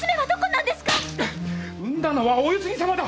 産んだのはお世継ぎ様だ！